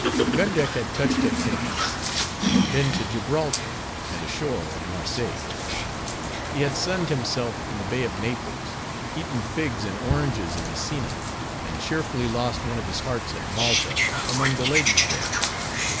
Gun Deck had touched at Cadiz: had been to Gibraltar; and ashore at Marseilles. He had sunned himself in the Bay of Naples: eaten figs and oranges in Messina; and cheerfully lost one of his hearts at Malta, among the ladies there.